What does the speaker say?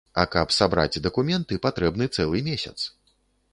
А каб сабраць дакументы, патрэбны цэлы месяц.